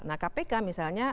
nah kpk misalnya